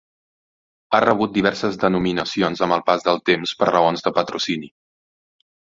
Ha rebut diverses denominacions amb el pas del temps per raons de patrocini.